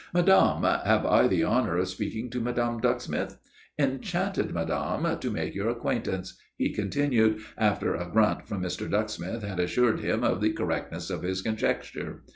"Madame, have I the honour of speaking to Madame Ducksmith? Enchanted, madame, to make your acquaintance," he continued, after a grunt from Mr. Ducksmith had assured him of the correctness of his conjecture.